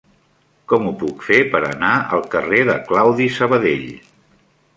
Com ho puc fer per anar al carrer de Claudi Sabadell?